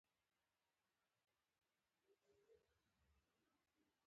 ښوونځی د ژوند رڼا ده